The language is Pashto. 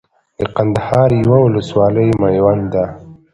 د کندهار يوه ولسوالي ميوند ده